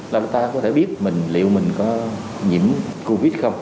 là chúng ta có thể biết liệu mình có nhiễm covid không